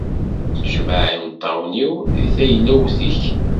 Jmeɛ imeṭṭawen-iw di teylewt-ik.